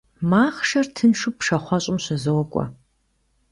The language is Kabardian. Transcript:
Махъшэр тыншу пшахъуэщӀым щызокӀуэ.